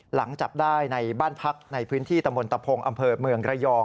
หลังจับได้ในบ้านพักในพื้นที่ตำบลตะพงอำเภอเมืองระยอง